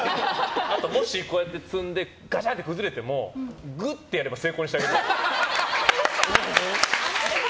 あと、もし積んでガシャンと崩れてもグってやれば成功にしてあげるから。